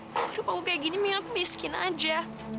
waduh panggung kayak gini minggir aku miskin aja